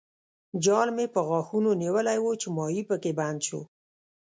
جال مې په غاښونو نیولی وو چې ماهي پکې بند شو.